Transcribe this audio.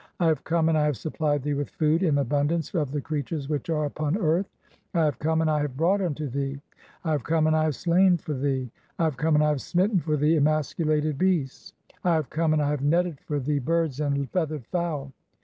(23) "I have come, and I have supplied [thee] with food in "abundance [of the creatures which are upon earth]. (24) "I have come, and I have brought unto thee (25) "I have come, and I have slain for thee (26) "I have come, and I have smitten for thee emasculated "beasts. (27) "I have come, and I have netted for thee birds and "feathered fowl.